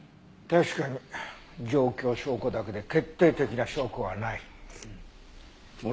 確かに状況証拠だけで決定的な証拠はない。